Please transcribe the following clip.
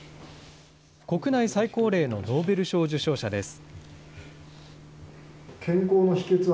国内最高齢のノーベル賞受賞者です。